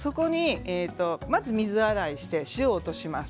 まず水洗いして塩を落とします。